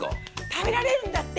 食べられるんだって！